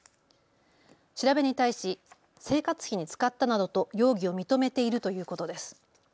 調べに対し生活費に使ったなどと容疑を認めているということです。